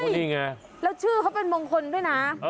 นี่ไงแล้วชื่อเขาเป็นมงคลด้วยนะ